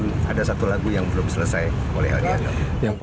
bahkan ada satu lagu yang belum selesai oleh odi agam